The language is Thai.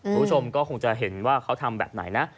คุณผู้ชมก็คงจะเห็นว่าเขาทำแบบไหนนะ